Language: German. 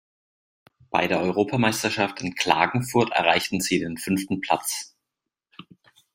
Bei der Europameisterschaft in Klagenfurt erreichten sie den fünften Platz.